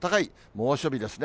猛暑日ですね。